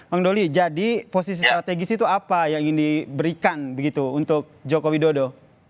bang doli jadi posisi strategis itu apa yang ingin diberikan begitu untuk joko widodo